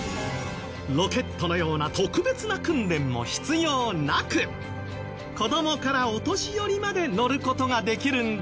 ロケットのような特別な訓練も必要なく子どもからお年寄りまで乗る事ができるんだそう。